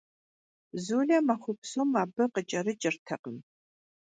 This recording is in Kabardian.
Zule maxue psom abı khıç'erıç'ırtekhım.